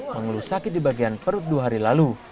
mengeluh sakit di bagian perut dua hari lalu